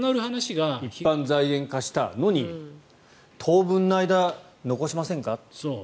一般財源化したのに当分の間、残しませんかと。